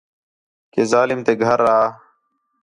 کہ ظالم تے گھر آ